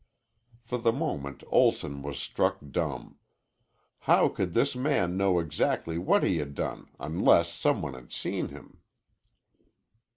For the moment Olson was struck dumb. How could this man know exactly what he had done unless some one had seen him?